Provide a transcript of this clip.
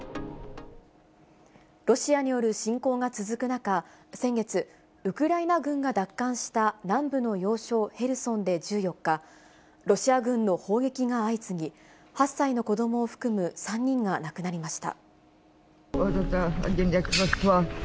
ロシアによる侵攻が続く中、先月、ウクライナ軍が奪還した南部の要衝ヘルソンで１４日、ロシア軍の砲撃が相次ぎ、８歳の子どもを含む３人が亡くなりました。